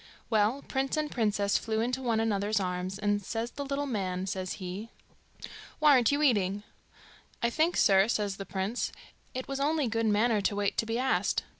Well, prince and princess flew into one another's arms, and says the little man, says he, 'Why aren't you eating?' 'I think, sir,' says the prince, 'it was only good manner to wait to be asked.